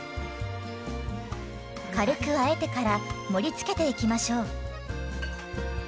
軽くあえてから盛りつけていきましょう。